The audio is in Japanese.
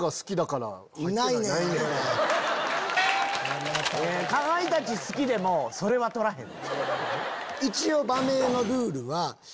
かまいたち好きでもそれは取らへん。